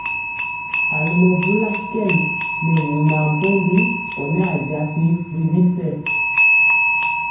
A lomɔ bula kɛn nɛ wumaa mpɔmbi ɔ nɛ a jasi ri bisɛ.